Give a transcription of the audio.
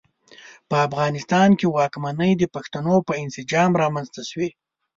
په افغانستان کې واکمنۍ د پښتنو په انسجام رامنځته شوې.